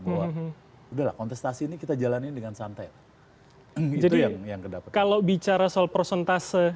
ini udah kontestasi ini kita jalannya dengan santai jadi yang kedapat kalau bicara soal prosentase